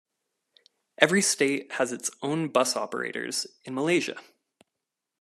Every state has its own bus operators in Malaysia.